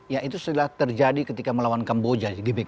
ya itu sudah terjadi ketika melawan kamboja di gbk